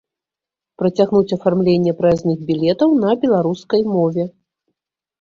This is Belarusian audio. Працягнуць афармленне праязных білетаў на беларускай мове.